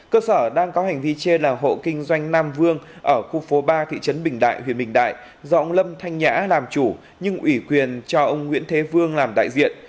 cơ sở đang có hành vi trên là hộ kinh doanh nam vương ở khu phố ba thị trấn bình đại huyện bình đại do ông lâm thanh nhã làm chủ nhưng ủy quyền cho ông nguyễn thế vương làm đại diện